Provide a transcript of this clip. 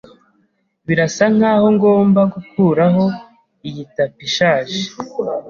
Birasa nkaho ngomba gukuraho iyi tapi ishaje.